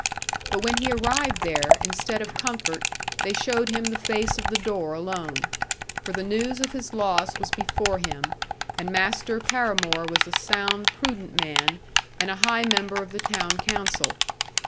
But when he arrived there, instead of comfort, they showed him the face of the door alone; for the news of his loss was before him, and Master Paramore was a sound, prudent man, and a high member of the town council.